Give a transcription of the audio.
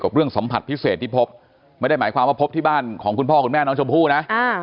เรื่องสัมผัสพิเศษที่พบไม่ได้หมายความว่าพบที่บ้านของคุณพ่อคุณแม่น้องชมพู่นะ